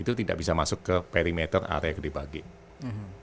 itu tidak bisa masuk ke perimeter area kedua bagian